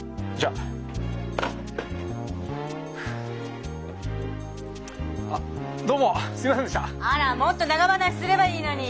あらもっと長話すればいいのに。